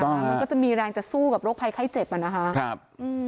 มันก็จะมีแรงจะสู้กับโรคภัยไข้เจ็บ